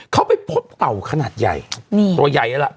เขาไปพบต่อต่าวขนาดใหญ่ตัวใหญ่ปุ่น